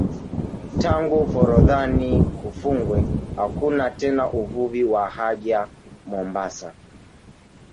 Tangu forodhani kufungwe hakuna tena uvuvi wa haja Mombasa